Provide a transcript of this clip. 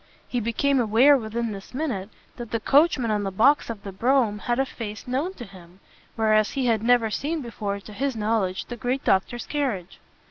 He became aware within this minute that the coachman on the box of the brougham had a face known to him, whereas he had never seen before, to his knowledge, the great doctor's carriage.